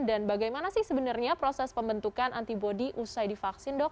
dan bagaimana sih sebenarnya proses pembentukan antibody usai divaksin dok